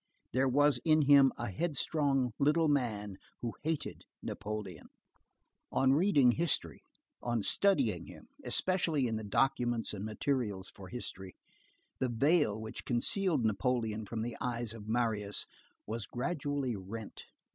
There was in him a headstrong little man who hated Napoleon. On reading history, on studying him, especially in the documents and materials for history, the veil which concealed Napoleon from the eyes of Marius was gradually rent.